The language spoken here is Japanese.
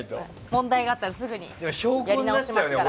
問題があったらすぐにやり直しますから。